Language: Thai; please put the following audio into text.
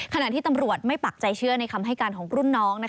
ขณะที่ตำรวจไม่ปักใจเชื่อในคำให้การของรุ่นน้อง